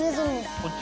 こっち？